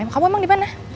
kamu emang di mana